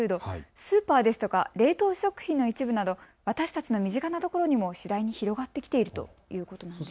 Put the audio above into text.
スーパーや冷凍食品の一部など私たちの身近なところにも次第に広がってきているということです。